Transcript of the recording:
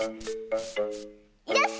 よし！